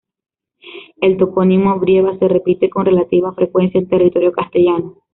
El topónimo Brieva se repite con relativa frecuencia en territorio castellano.